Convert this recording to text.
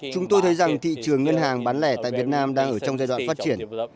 chúng tôi thấy rằng thị trường ngân hàng bán lẻ tại việt nam đang ở trong giai đoạn phát triển